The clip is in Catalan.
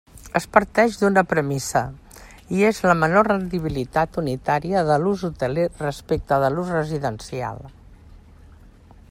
Es parteix d'una premissa, i és la menor rendibilitat unitària de l'ús hoteler respecte de l'ús residencial.